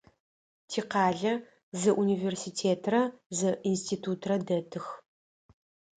Тикъалэ зы университетрэ зы институтрэ дэтых.